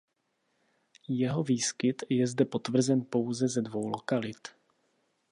Jeho výskyt je zde potvrzen pouze ze dvou lokalit.